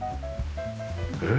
えっ？